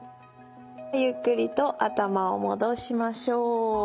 ゆっくりと頭を戻しましょう。